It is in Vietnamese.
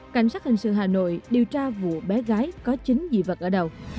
cảnh sát hành sự hà nội điều tra vụ bé gái có chính dị vật ở đâu